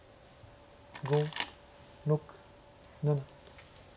５６７。